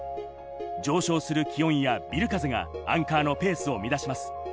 上昇する気温やビル風がアンカーのペースを乱します。